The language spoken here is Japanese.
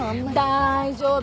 大丈夫！